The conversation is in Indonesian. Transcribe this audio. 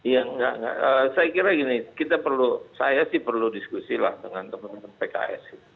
ya enggak saya kira gini kita perlu saya sih perlu diskusi lah dengan teman teman pks